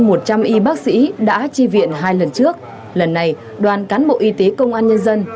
ngoài hơn một trăm linh y bác sĩ đã tri viện hai lần trước lần này đoàn cán bộ y tế công an nhân dân